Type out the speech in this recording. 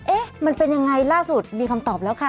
เอ๊ะมันเป็นยังไงล่าสุดมีคำตอบแล้วค่ะ